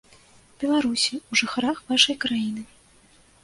Беларусі, у жыхарах вашай краіны.